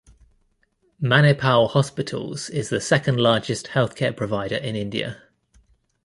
Manipal Hospitals is the second largest healthcare provider in India.